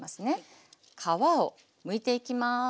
皮をむいていきます。